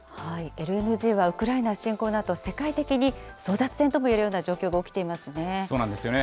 ＬＮＧはウクライナ侵攻のあと、世界的に争奪戦ともいえるよそうなんですよね。